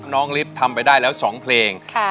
น้องลิฟทำไปได้แล้วสองเพลงนะครับ